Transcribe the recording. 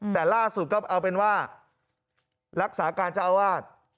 แต่ล่าสุดก็เอาเป็นว่ารักษาการเจ้าอาวาส